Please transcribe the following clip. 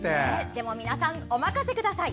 でも皆さんお任せください。